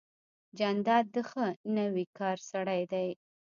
جانداد د ښه نویکر سړی دی.